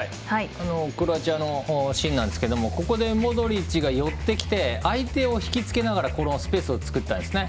クロアチアのシーンなんですけどここでモドリッチが寄ってきて相手を引きつけながらスペースを作ったんですね。